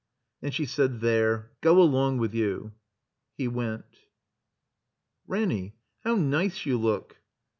And she said, "There! Go along with you." He went. it Ranny, how nice you look!"